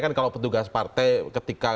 kan kalau petugas partai ketika